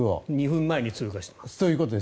２分前に通過してます。